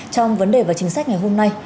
trong vấn đề về chính sách ngày hôm nay